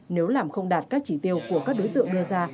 nếu làm không đạt các chỉ tiêu của các đối tượng đưa ra